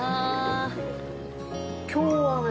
今日はね